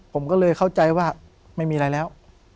ผมก็เลยเข้าใจว่าไม่มีอะไรแล้ว